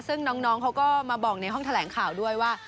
ซึ่งน้องเขาก็มาบอกในห้องแถลงข่าวด้วยว่า